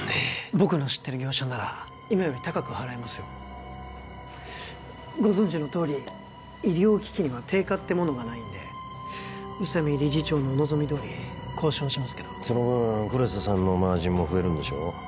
僕の知ってる業者なら今より高く払いますよご存じのとおり医療機器には定価ってものがないんで宇佐美理事長のお望みどおり交渉しますけどその分黒瀬さんのマージンも増えるんでしょ？